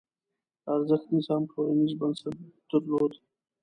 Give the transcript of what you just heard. د ارزښت نظام ټولنیز بنسټ درلود.